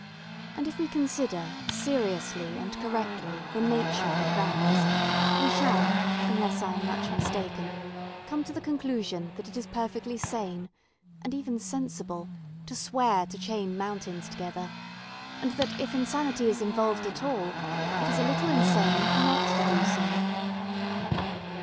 And if we consider seriously and correctly the nature of vows, we shall, unless I am much mistaken, come to the conclusion that it is perfectly sane, and even sensible, to swear to chain mountains together, and that, if insanity is involved at all, it is a little insane not to do so.